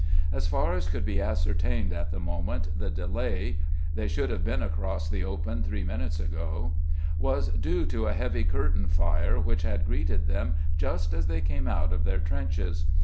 As far as could be ascertained at the moment, the delay (they should have been across the open three minutes ago) was due to a heavy curtain fire which had greeted them just as they came out of their trenches.